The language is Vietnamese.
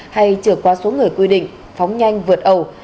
hay trở qua số người quy định phóng nhanh vượt ẩu